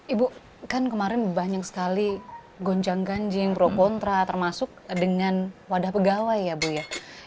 ibu kan kemarin banyak sekali gonjang ganjing pro kontra termasuk dengan wadah pegawai ya bu ya